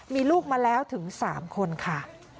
มีลูกมาแล้วถึง๓คนค่ะ